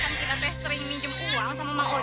kan kita udah sering minjem uang sama mang ojo